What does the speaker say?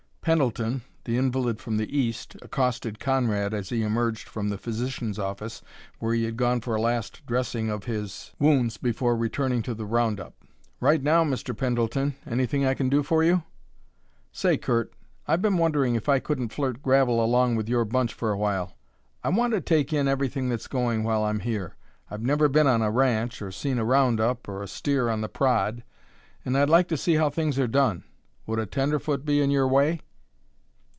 Pendleton, the invalid from the East, accosted Conrad as he emerged from the physician's office, where he had gone for a last dressing of his wounds before returning to the round up. "Right now, Mr. Pendleton. Anything I can do for you?" "Say, Curt, I've been wondering if I couldn't flirt gravel along with your bunch for a while. I want to take in everything that's going while I'm here. I've never been on a ranch, or seen a round up, or a steer on the prod; and I'd like to see how things are done. Would a tenderfoot be in your way?"